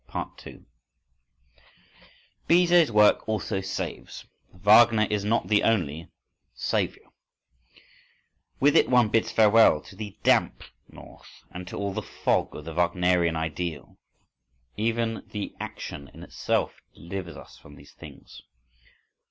2. Bizet's work also saves; Wagner is not the only "Saviour." With it one bids farewell to the damp north and to all the fog of the Wagnerian ideal. Even the action in itself delivers us from these things.